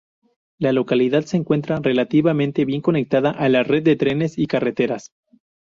La localidad se encuentra relativamente bien conectada a la red de trenes y carreteras.